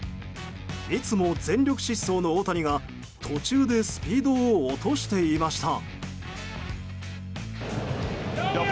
いつも全力疾走の大谷が途中でスピードを落としていました。